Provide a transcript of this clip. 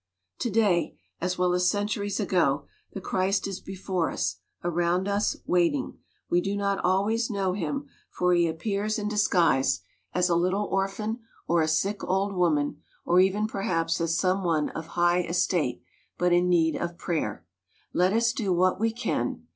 To day as well as centuries ago the Christ is before us, around us, waiting. We do not always know him, for he appears in dis 82 WOMEN OF ACHIEVEMENT guise, as a little orphan, or a sick old woman, or even perhaps as some one of high estate but in need of prayer. Let us do what we can.